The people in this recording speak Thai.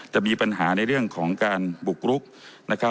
จะมีปัญหาในเรื่องของการปลุกรุก